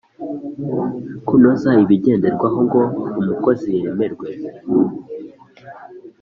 Kunoza ibigenderwaho ngo umukozi yemerwe